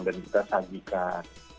dan kita sajikan